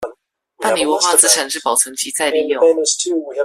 辦理文化資產之保存及再利用